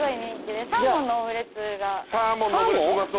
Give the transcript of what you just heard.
サーモンのオムレツうまそうなんだよ。